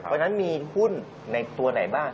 เพราะฉะนั้นมีหุ้นในตัวไหนบ้าง